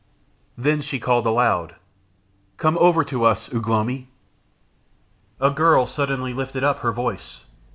Then she called aloud, "Come over to us, Ugh lomi." A girl suddenly lifted up her voice.